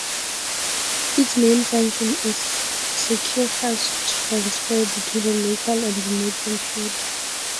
Its main function is secure file transfer between a local and a remote computer.